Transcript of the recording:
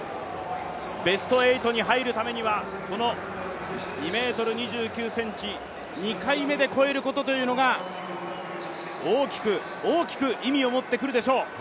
ベスト８に入るためには、この２ｍ２９ｃｍ、２回目で越えることというのが大きく、大きく意味を持ってくるでしょう。